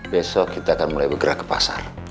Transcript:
besok kita akan mulai bergerak ke pasar